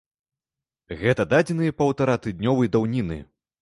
Гэта дадзеныя паўтаратыднёвай даўніны.